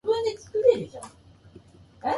あんぱんまん